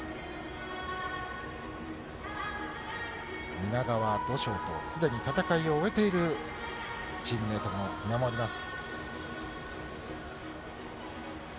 みながわ、土性と、すでに戦いを終えているチームメートも見守ります。